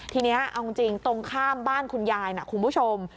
ทีนี้เอาจริงตรงข้ามบ้านคุณยายนะคุณผู้ชม